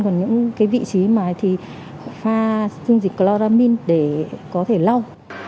còn những vị trí pha dung dịch cloramin để có thể lau